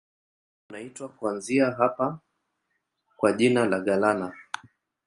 Mto unaitwa kuanzia hapa kwa jina la Galana.